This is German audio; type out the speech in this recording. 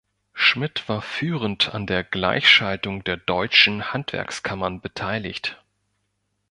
Schmidt war führend an der Gleichschaltung der deutschen Handwerkskammern beteiligt.